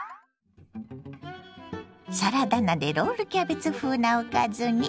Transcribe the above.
サラダ菜でロールキャベツ風なおかずに。